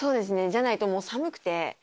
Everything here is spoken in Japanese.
じゃないともう寒くて。